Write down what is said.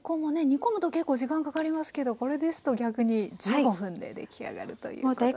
煮込むと結構時間かかりますけどこれですと逆に１５分で出来上がるということです。